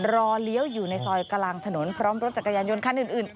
เลี้ยวอยู่ในซอยกลางถนนพร้อมรถจักรยานยนต์คันอื่น